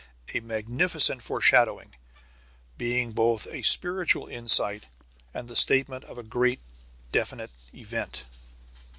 A magnificent foreshadowing, being both a spiritual insight and the statement of a great definite event.